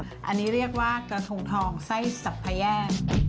เดี๋ยวเรียกว่ากระถงทองไส้สับไปแย่